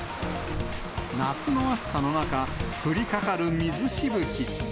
夏の暑さの中、降りかかる水しぶき。